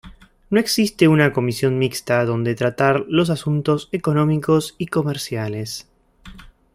No existe una Comisión Mixta donde tratar los asuntos económicos y comerciales